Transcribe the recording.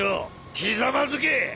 ひざまずけ！